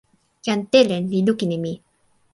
jan Telen li lukin e mi.